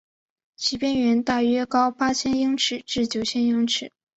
其边缘大约高八千英尺至九千英尺。